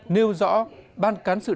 nêu rõ ban cán sự đảng bộ công thương